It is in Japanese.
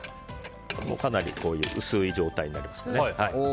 かなり薄い状態になりましたね。